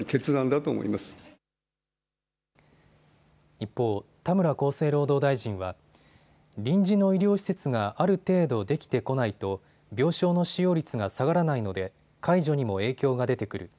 一方、田村厚生労働大臣は臨時の医療施設がある程度できてこないと病床の使用率が下がらないので解除にも影響が出てくる。